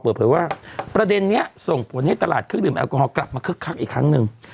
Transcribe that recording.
เปิดเผยว่าประเด็นนี้ส่งผลให้ตลาดเครื่องดื่มแอลกอฮอลกลับมาคึกคักอีกครั้งหนึ่ง